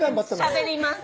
しゃべります